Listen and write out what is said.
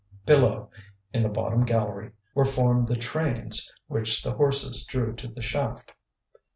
Below, in the bottom gallery, were formed the trains which the horses drew to the shaft.